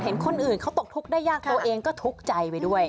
เห็นคนอื่นเขาตกทุกข์ได้ยากตัวเองก็ทุกข์ใจไปด้วย